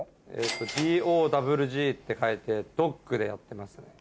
「Ｄｏｗｇ」って書いてドッグでやってますね。